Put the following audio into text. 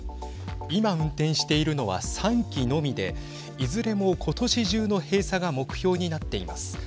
今、運転しているのは３基のみでいずれも今年中の閉鎖が目標になっています。